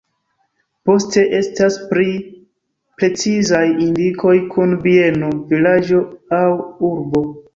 Poste estas pli precizaj indikoj kun bieno, vilaĝo aŭ urbo.